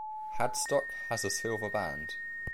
Hadstock has a silver band.